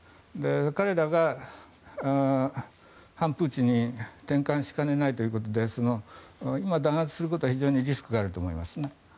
彼らが反プーチンに転換しかねないということで今、弾圧することはリスクがあると思いますね。